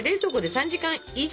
３時間以上！